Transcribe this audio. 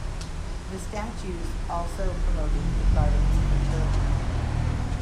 The statues also promoted the gardens' fertility.